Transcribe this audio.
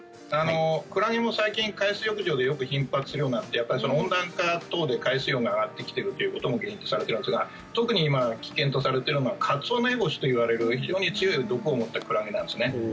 クラゲも最近海水浴場で頻発するようになって温暖化等で海水温が上がってきているということも原因とされているんですが特に今、危険とされているのがカツオノエボシといわれる非常に強い毒を持ったクラゲなんですね。